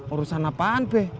urusan apaan be